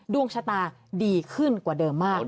ดวงชะตาดีขึ้นกว่าเดิมมาก